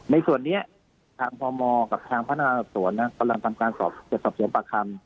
ในส่วนนี้ทางพมกับทางพศเนี่ยกำลังทำการสอบเจ็บสอบเสียปากคำ